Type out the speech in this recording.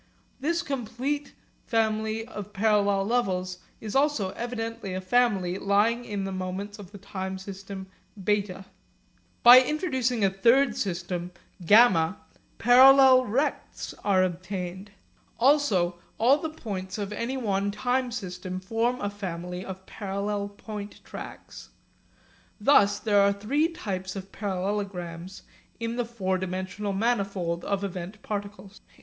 This complete family of parallel levels is also evidently a family lying in the moments of the time system β. By introducing a third time system γ, parallel rects are obtained. Also all the points of any one time system form a family of parallel point tracks. Thus there are three types of parallelograms in the four dimensional manifold of event particles.